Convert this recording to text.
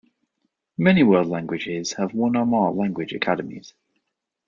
Many world languages have one or more language academies.